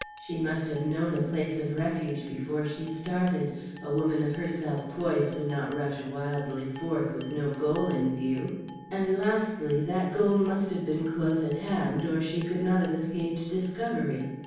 She must have known a place of refuge before she started; a woman of her self poise would not rush wildly forth with no goal in view. And, lastly, that goal must have been close at hand, or she could not have escaped discovery.